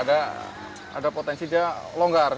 ada potensi dia longgar